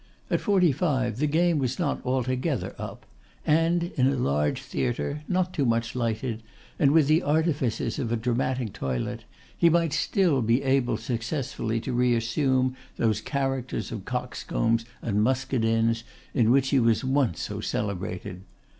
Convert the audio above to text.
At forty five the game was not altogether up; and in a large theatre, not too much lighted, and with the artifices of a dramatic toilet, he might still be able successfully to reassume those characters of coxcombs and muscadins, in which he was once so celebrated.